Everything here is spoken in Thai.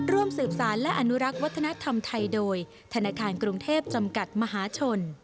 ร่วมสืบสารและอนุรักษ์วัฒนธรรมไทยโดยธนาคารกรุงเทพจำกัดมหาชน